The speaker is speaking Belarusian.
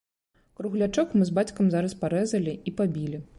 Круглячок мы з бацькам зараз парэзалі і пабілі.